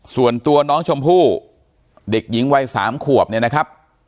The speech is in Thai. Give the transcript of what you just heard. ส่วนตัวน้องชมพู่เด็กหญิงวัย๓ขวบเนี่ยนะครับ